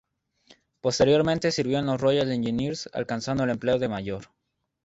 Posteriormente sirvió en los Royal Engineers alcanzando el empleo de mayor.